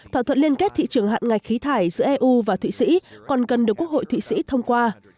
thỏa thuận liên kết thị trường hạn ngạch khí thải giữa eu và thụy sĩ còn cần được quốc hội thụy sĩ thông qua